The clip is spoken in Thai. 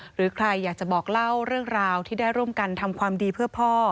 หรือใครอยากจะบอกเล่าเรื่องราวที่ได้ร่วมกันทำความดีเพื่อพ่อ